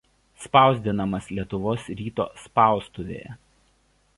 Spausdinamas Lietuvos ryto spaustuvėje.